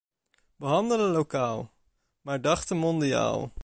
We handelden lokaal, maar dachten mondiaal.